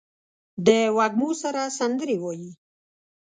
د وږمو سره سندرې وايي